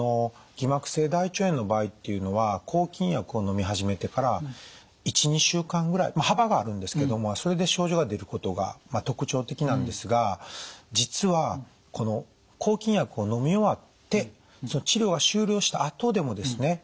偽膜性大腸炎の場合っていうのは抗菌剤をのみ始めてから１２週間ぐらいまあ幅があるんですけどもそれで症状が出ることが特徴的なんですが実は抗菌薬をのみ終わって治療が終了したあとでもですね